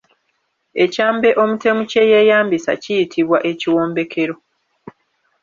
Ekyambe omutemu kye yeeyambisa kiyitibwa Ekiwombekero.